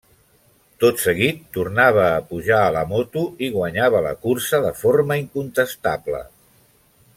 Tot seguit, tornava a pujar a la moto i guanyava la cursa de forma incontestable.